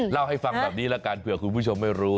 เล่าให้ฟังแบบนี้ละกันเผื่อคุณผู้ชมไม่รู้